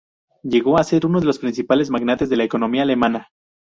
Llegó a ser uno de los principales magnates de la economía alemana.